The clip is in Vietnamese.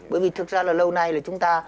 bởi vì thực ra là lâu nay là chúng ta